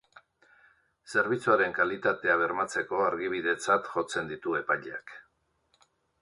Zerbitzuaren kalitatea bermatzeko argibidetzat jotzen ditu epaileak.